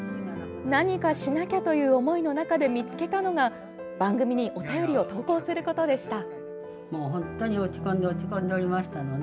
何かしなきゃという思いの中で見つけたのが番組にお便りを投稿することでした。